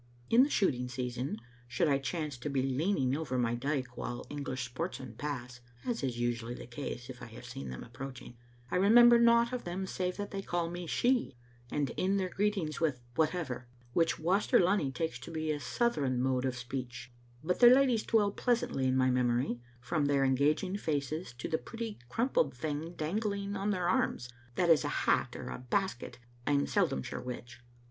In the shooting season, should I chance to be leaning over my dyke while English sportsmen pass (as is usually the case if I have seen them approach ing), I remember nought of them save that they call me "she," and end their greetings with "whatever'* (which Waster Lunny takes to be a southron mode of speech), but their ladies dwell pleasantly in my memory, from their engaging faces to the pretty crumpled thing dangling on their arms, that is a hat or a basket, I am seldom sure which.